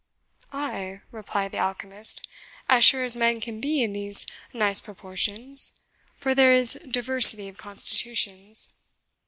"Ay," replied the alchemist, "as sure as men can be in these nice proportions, for there is diversity of constitutions."